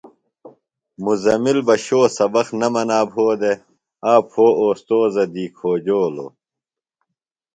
مزمل بہ شو سبق نہ منا بھو دےۡ۔ آ پھوۡ اُوستوذہ دی کھوجولوۡ۔